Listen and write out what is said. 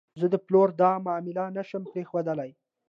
زه د پلور دا معامله نه شم پرېښودلی.